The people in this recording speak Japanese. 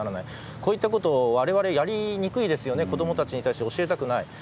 こういったことをわれわれはやりにくい子供たちに対して教えたくない。